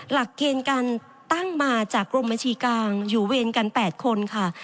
หลักเกณฑ์การตั้งมาจากกรมบัญชีกลางอยู่เวรกัน๘คนค่ะ